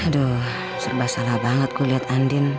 aduh serba salah banget gue liat andin